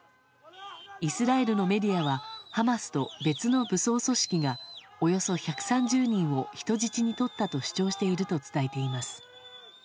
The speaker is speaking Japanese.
イスラエルのメディアはハマスと別の武装組織がおよそ１３０人を人質にとったと主張していると伝えています。